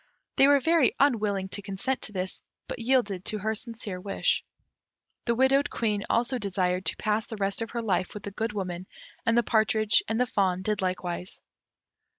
They were very unwilling to consent to this, but yielded to her sincere wish. The widowed Queen also desired to pass the rest of her life with the Good Woman, and the partridge and the fawn did likewise.